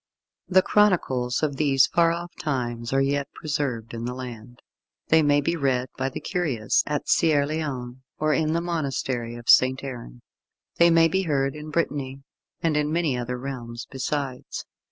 The chronicles of these far off times are yet preserved in the land. They may be read by the curious at Caerleon, or in the monastery of St. Aaron. They may be heard in Brittany, and in many another realm besides.